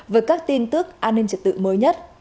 với các tin tức an ninh trật tự mới nhất